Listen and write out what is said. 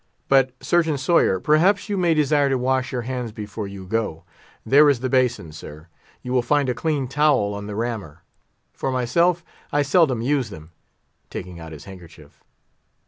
But, Surgeon Sawyer, perhaps you may desire to wash your hands before you go. There is the basin, sir; you will find a clean towel on the rammer. For myself, I seldom use them"—taking out his handkerchief.